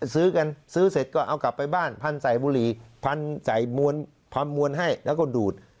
ซื้อกันซื้อเสร็จก็เอากลับไปบ้านพันใส่บุหรี่พันใส่พันมวลให้แล้วก็ดูด